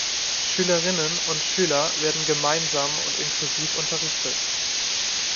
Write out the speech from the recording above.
Schülerinnen und Schüler werden gemeinsam und inklusiv unterrichtet.